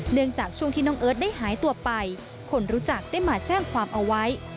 จากช่วงที่น้องเอิร์ทได้หายตัวไปคนรู้จักได้มาแจ้งความเอาไว้